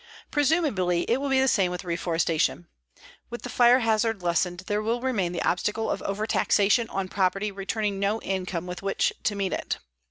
Presumably it will be the same with reforestation. With the fire hazard lessened there will remain the obstacle of overtaxation on property returning no income with which to meet it.